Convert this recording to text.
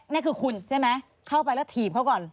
นี่คือคุณใช่ไหมเข้าไปแล้วถีบเขาก่อน